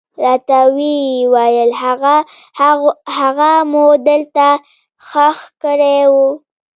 راته ويې ويل هغه مو دلته ښخ کړى و.